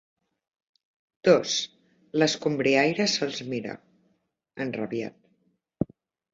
Dos L'escombriaire se'ls mira, enrabiat.